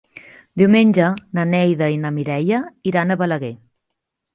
Diumenge na Neida i na Mireia iran a Balaguer.